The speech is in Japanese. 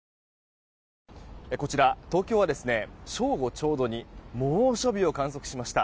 こちら、東京は正午ちょうどに猛暑日を観測しました。